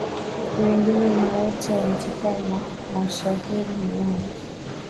ni wengi na wote wanataka mishahara minono